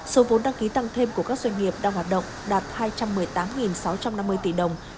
số vốn đăng ký tăng thêm của các doanh nghiệp đang hoạt động đạt hai trăm một mươi tám sáu trăm năm mươi tỷ đồng